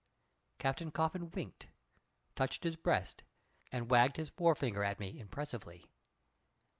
Captain Coffin winked, touched his breast, and wagged his forefinger at me impressively.